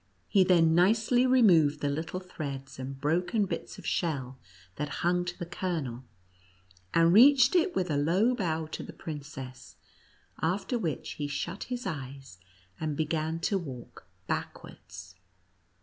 He then nicely removed the little threads and broken bits of shell that hung to the kernel, and reach ed it with a low bow to the princess, after which he shut his eyes, and began to walk backwards.